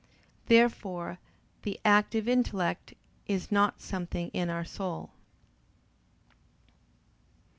Therefore the active intellect is not something in our soul.